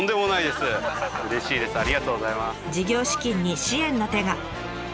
事業資金に支援の手が。